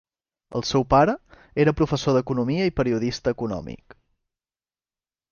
El seu pare era professor d'economia i periodista econòmic.